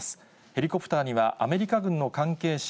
ヘリコプターにはアメリカ軍の関係者